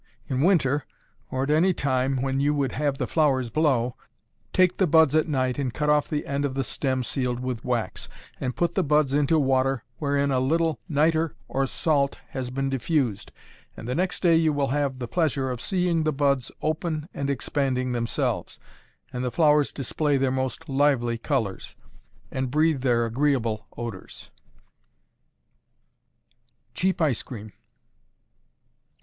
In winter, or at any time when you would have the flowers blow, take the buds at night and cut off the end of the stem sealed with wax, and put the buds into water wherein a little nitre or salt has been diffused, and the next day you will have the pleasure of seeing the buds open and expanding themselves, and the flowers display their most lively colors, and breathe their agreeable odors. _Cheap Ice Cream.